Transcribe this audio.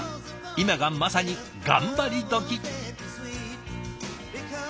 今がまさに頑張り時。